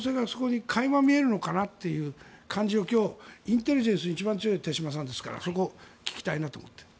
そこに垣間見えるのかなという感じをインテリジェンスに一番強い手嶋さんですからそこを聞きたいなと思って。